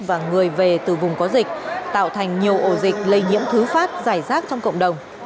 và người về từ vùng có dịch tạo thành nhiều ổ dịch lây nhiễm thứ phát giải rác trong cộng đồng